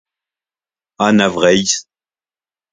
Anna Vreizh